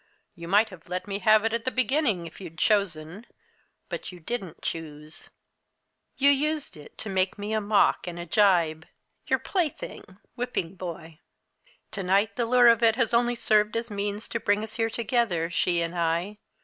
You might have let me have it at the beginning, if you'd chosen but you didn't choose. You used it to make of me a mock, and a gibe your plaything whipping boy! To night the lure of it has only served as a means to bring us here together she and I!